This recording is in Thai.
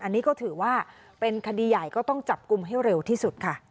อันนี้ก็ถือว่าเป็นคดีใหญ่ก็ต้องจับกลุ่มให้เร็วที่สุดค่ะ